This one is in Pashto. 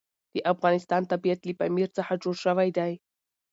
د افغانستان طبیعت له پامیر څخه جوړ شوی دی.